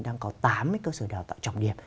đang có tám mấy cơ sở đào tạo trọng điệp